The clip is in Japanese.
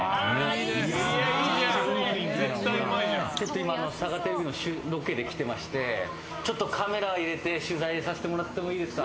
今、サガテレビのロケで来てましてちょっとカメラ入れて取材させてもらってもいいですか。